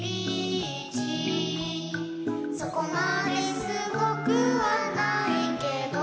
「そこまですごくはないけど」